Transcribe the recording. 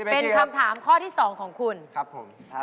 เป็นคำถามข้อที่๒ของคุณครับผม